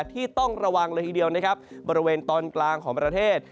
ที่ต้องระวังเลยทีเดียวนะครับบริเวณตอนกลางของประเทศ